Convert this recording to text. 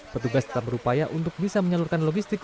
petugas tetap berupaya untuk bisa menyalurkan logistik